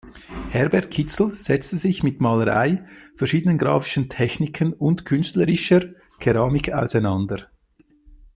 Herbert Kitzel setze sich mit Malerei, verschiedenen graphischen Techniken und künstlerischer Keramik auseinander.